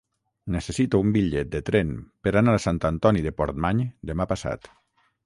Necessito un bitllet de tren per anar a Sant Antoni de Portmany demà passat.